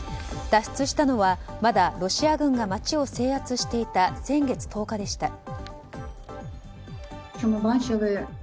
脱出したのはまだロシア軍が街を制圧していた先月１０日でした。